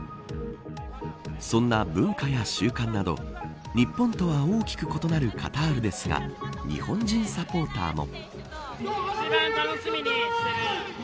そんな文化や習慣など日本とは大きく異なるカタールですが日本人サポーターも。